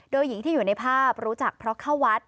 โดยหญิงที่อยู่ในภาพรู้จักเพราะเข้าวัด